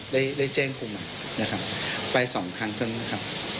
ได้แจ้งครูมานะครับไปสองครั้งเท่านั้นนะครับ